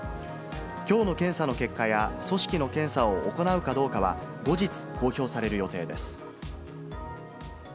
きょうの検査の結果や、組織の検査を行うかどうかは、後日、公表される予定です。